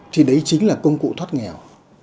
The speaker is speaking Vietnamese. thì đấy chính là công cụ thoát nghèo